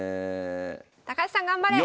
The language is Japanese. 高橋さん頑張れ！